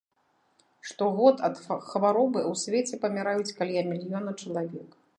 Штогод ад хваробы ў свеце паміраюць каля мільёна чалавек.